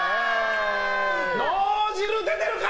脳汁出てるか？